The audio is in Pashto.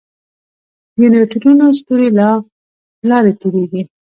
د نیوټرینو ستوري له لارې تېرېږي.